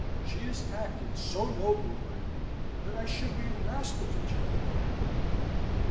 She has acted so nobly by me, that I should be a rascal to turn my back on her.